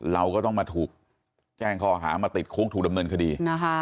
เราก็ต้องมาถูกแจ้งข้อหามาติดคุกถูกดำเนินคดี